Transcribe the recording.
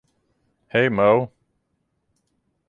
Hey Moe!